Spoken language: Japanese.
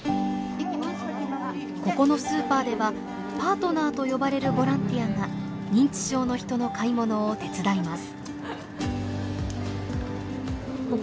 ここのスーパーではパートナーと呼ばれるボランティアが認知症の人の買い物を手伝います。